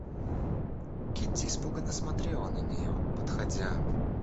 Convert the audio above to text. Кити испуганно смотрела на нее, подходя.